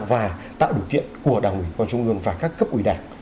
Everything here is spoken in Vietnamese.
và tạo điều kiện của đảng ủy quan trung ương và các cấp ủy đảng